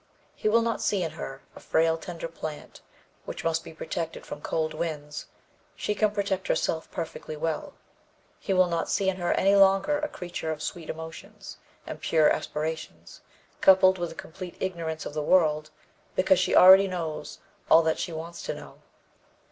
He will not see in her a frail, tender plant which must be protected from cold winds; she can protect herself perfectly well. He will not see in her any longer a creature of sweet emotions and pure aspirations, coupled with a complete ignorance of the world, because she already knows all that she wants to know....